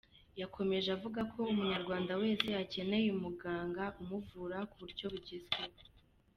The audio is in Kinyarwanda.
Yakomeje avuga ko Umunyarwanda wese akeneye umuganga umuvura ku buryo bugezweho.